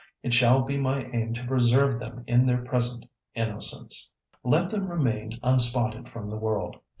It shall be my aim to preserve them in their present innocence. Let them remain unspotted from the world.